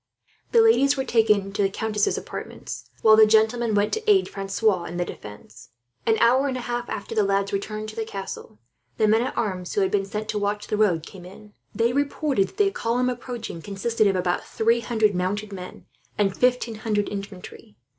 The ladies were taken to the countess's apartments, while the gentlemen went to aid Francois in the defence. An hour and a half after the lads returned to the castle, the men at arms who had been sent to watch the road came in. They reported that the column approaching consisted of about three hundred mounted men, and fifteen hundred infantry.